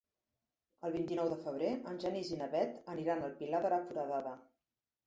El vint-i-nou de febrer en Genís i na Bet aniran al Pilar de la Foradada.